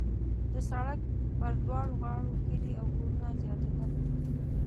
د سړک پر دواړو غاړو کلي او کورونه زیاتېدل.